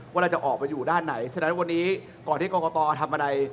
ว่าเราจะออกไปอยู่ด้านไหนฉะนั้นวันนี้ก่อนที่กรกตทำอะไร